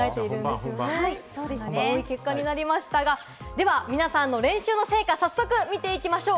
では皆さんの練習の成果、早速、見ていきましょう。